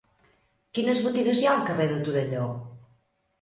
Quines botigues hi ha al carrer de Torelló?